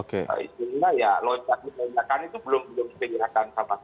sebenarnya ya lelah covid sembilan belas itu belum diperkirakan sama sekali